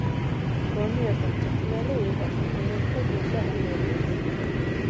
გონიერთა მწვრთელი უყვარს, უგუნურთა გულსა ჰგმირდეს.